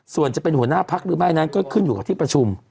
ส่วนจะเป็นหัวหน้าพักหรือไม่นั้นก็ขึ้นอยู่กับที่ประชุม